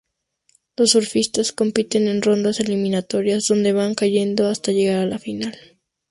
Los surfistas compiten en rondas eliminatorias, donde van cayendo hasta llegar a la final.